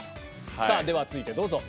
では続いてどうぞ。